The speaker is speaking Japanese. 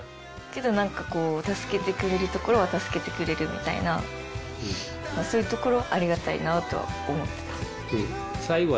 けど何かこう助けてくれるところは助けてくれるみたいなそういうところありがたいなと思ってた。